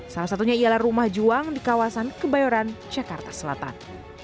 salah satunya ialah rumah juang di kawasan kebayoran jakarta selatan